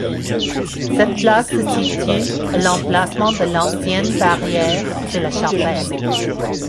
Cette place se situe à l'emplacement de l'ancienne barrière de La Chapelle.